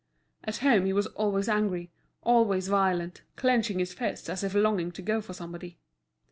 At home he was always angry, always violent, clenching his fists as if longing to go for somebody.